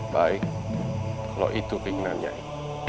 baik kalau itu ingin nyai